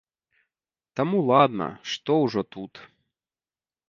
Таму ладна, што ўжо тут!